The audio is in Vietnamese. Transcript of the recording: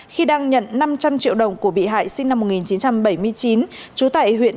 khi đang nhận năm trăm linh triệu đồng của bị hại sinh năm một nghìn chín trăm bảy mươi chín trú tại huyện